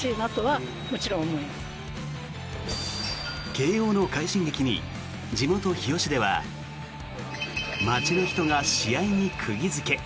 慶応の快進撃に地元・日吉では街の人が試合に釘付け。